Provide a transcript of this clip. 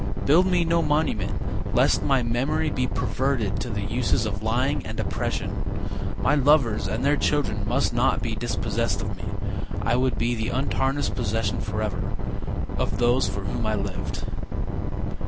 Build me no monument Lest my memory be perverted to the uses Of lying and oppression. My lovers and their children must not be dispossessed of me; I would be the untarnished possession forever Of those for whom I lived.